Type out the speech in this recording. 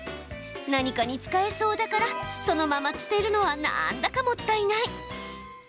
何かに使えそうだからそのまま捨てるのは何だかもったいない。